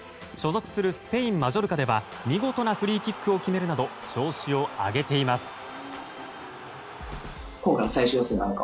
所属するスペイン、マジョルカでは見事なフリーキックを決めるなど調子を上げています。